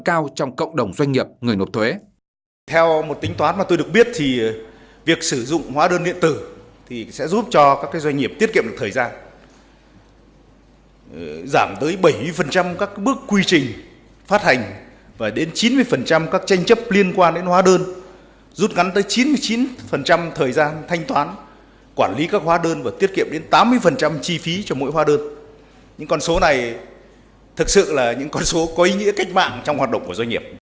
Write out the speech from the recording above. cao trong cộng đồng doanh nghiệp người nộp thuế